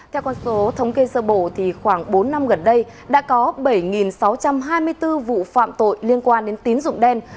theo con số thống kê sơ bộ khoảng bốn năm gần đây đã có bảy sáu trăm hai mươi bốn vụ phạm tội liên quan đến tín dụng đen